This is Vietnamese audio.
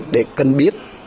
để cần biết